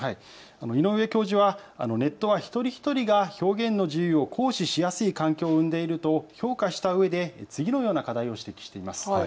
井上教授はネットは一人一人が表現の自由を行使しやすい環境を生んでいると評価したうえで次のような課題も指摘しています。